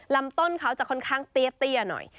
ลำต้นเขาจะค่อนข้างเตี้ยหน่อย